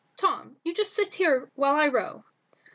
"Tom, you just sit here while I row."